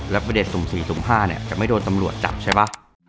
แล้วประเด็นสุ่ม๔สุ่ม๕เนี่ยจะไม่โดนตำรวจจับใช่ป่ะ